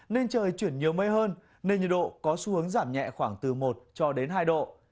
nên trời chuyển nhiều mây hơn nên nhiệt độ có xu hướng giảm nhẹ khoảng từ một cho đến hai độ